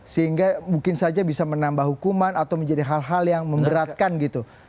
sehingga mungkin saja bisa menambah hukuman atau menjadi hal hal yang memberatkan gitu